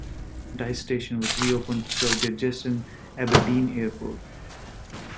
Dyce station was reopened to serve the adjacent Aberdeen Airport.